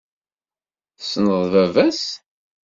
Tessneḍ baba-s?